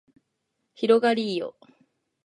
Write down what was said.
広がりーよ